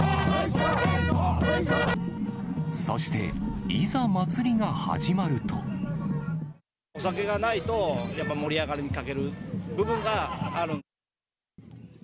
そして、お酒がないと、やっぱり盛り上がりに欠ける部分がある。